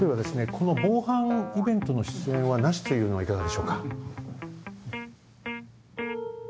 この防犯イベントの出演はなしというのはいかがでしょうか。